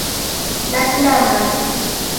Nasinda mana.